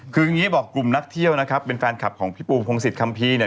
คืออย่างนี้บอกกลุ่มนักเที่ยวนะครับเป็นแฟนคลับของพี่ปูพงศิษยคัมภีร์เนี่ย